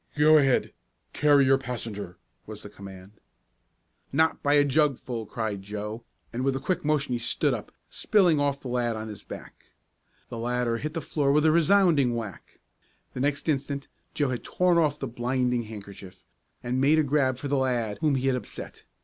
"Go ahead! Carry your passenger!" was the command. "Not by a jugful!" cried Joe, and with a quick motion he stood up, spilling off the lad on his back. The latter hit the floor with a resounding whack. The next instant Joe had torn off the blinding handkerchief, and made a grab for the lad whom he had upset.